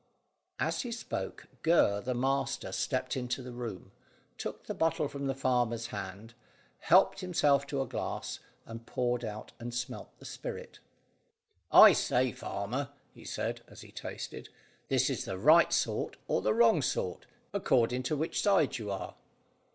As he spoke, Gurr the master stepped into the room, took the bottle from the farmer's hand, helped himself to a glass, and poured out and smelt the spirit. "I say, farmer," he said, as he tasted, "this is the right sort or the wrong sort, according to which side you are."